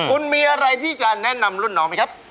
คุณมีอะไรที่จะแนะนำรุ่นน้องไหมครับ